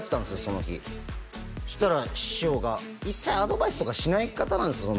その日そしたら師匠が一切アドバイスとかしない方なんですよ